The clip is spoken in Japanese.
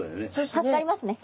助かりますね。